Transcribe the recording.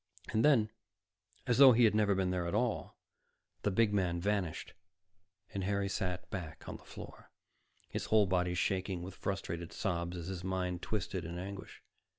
And then, as though he had never been there at all, the big man vanished, and Harry sat back on the floor, his whole body shaking with frustrated sobs as his mind twisted in anguish.